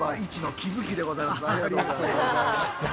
ありがとうございます。